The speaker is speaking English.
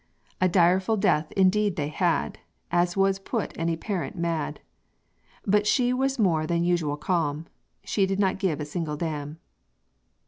A direful death indeed they had, As wad put any parent mad; But she was more than usual calm: She did not give a single dam."